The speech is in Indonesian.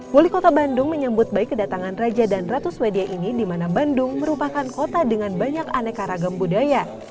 wali kota bandung menyambut baik kedatangan raja dan ratu sweden ini di mana bandung merupakan kota dengan banyak aneka ragam budaya